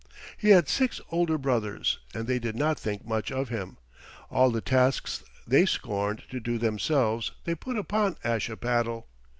He had six older brothers, and they did not think much of him. All the tasks they scorned to do themselves they put upon Ashipattle.